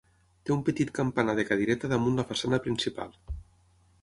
Té un petit campanar de cadireta damunt la façana principal.